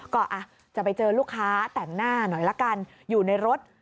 ก็จะไปเจอลูกค้าแต่งหน้าหน่อยละกันอยู่ในรถ